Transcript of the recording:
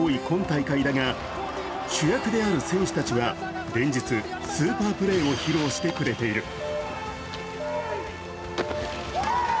今大会だが主役である選手たちは連日、スーパープレーを披露してくれている。